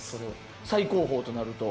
最高峰となると。